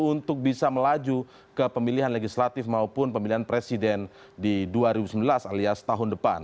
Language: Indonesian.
untuk bisa melaju ke pemilihan legislatif maupun pemilihan presiden di dua ribu sembilan belas alias tahun depan